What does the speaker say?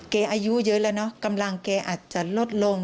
อายุเยอะแล้วเนอะกำลังแกอาจจะลดลง